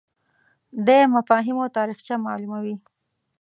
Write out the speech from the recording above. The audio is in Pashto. دی مفاهیمو تاریخچه معلوموي